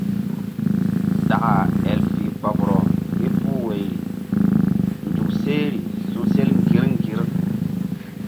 Ɗaka el fih kpoɓrɔ ke puh woyri nzuk sehri su̧sel ŋgir ŋgir.